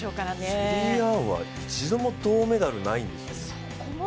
シェリーアンは一度も銅メダルないんですよ。